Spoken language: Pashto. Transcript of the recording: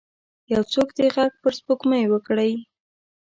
یو څوک دې ږغ پر سپوږمۍ وکړئ